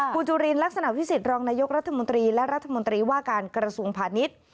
คุณจุลินลักษณะวิสิทธิรองนายกรัฐมนตรีและรัฐมนตรีว่าการกระทรวงพาณิชย์